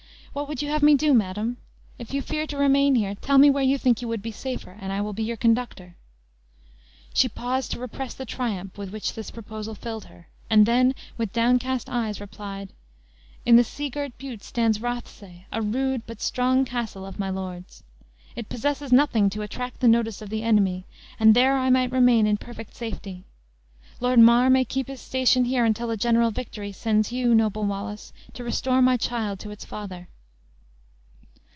"What would you have me do, madam? If you fear to remain here, tell me where you think you would be safer, and I will be your conductor?" She paused to repress the triumph with which this proposal filled her, and then, with downcast eyes, replied: "In the seagirt Bute stands Rothsay, a rude, but strong castle of my lord's. It possesses nothing to attract the notice of the enemy, and there I might remain in perfect safety. Lord Mar may keep his station here until a general victory sends you, noble Wallace, to restore my child to its father."